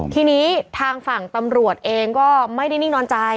ทีนี้ทางฝั่งตำรวจเองก็ไม่ได้นิ่งนอนใจ